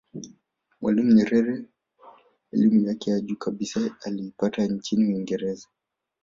mwalimu nyerere elimu yake ya juu kabisa aliipata nchini uingereza